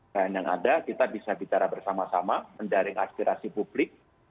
dan yang ada kita bisa bicara bersama sama menjaring aspirasi publik